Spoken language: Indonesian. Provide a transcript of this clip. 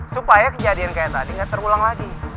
supaya kejadian kayak tadi nggak terulang lagi